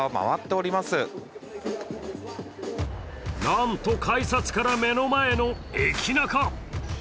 なんと改札から目の前の駅ナカ。